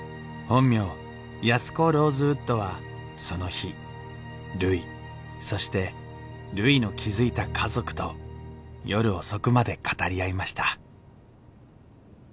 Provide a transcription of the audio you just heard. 安子・ローズウッドはその日るいそしてるいの築いた家族と夜遅くまで語り合いました